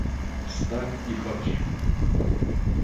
"Wstań i chodź!"